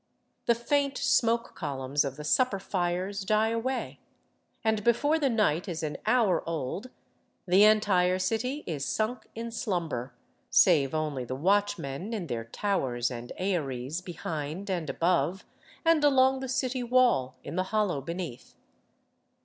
The faint smoke columns of the supper fires die away, and before the night Is an hour old the entire city is sunk in slumber, save only the watchmen in their towers and aeries behind and above, and along the city wall In the hollow beneath.